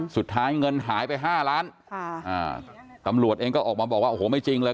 สุดท้ายเงินหายไปห้าล้านค่ะอ่าตำรวจเองก็ออกมาบอกว่าโอ้โหไม่จริงเลย